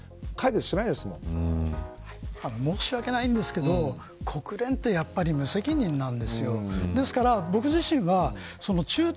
２国間に任せたら申し訳ないんですけど国連ってやっぱり無責任なんですよ。